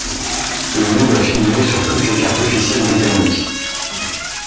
Le nom doit figurer sur toutes les cartes officielles britanniques.